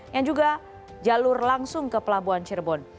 yang juga jalur langsung ke pelabuhan cirebon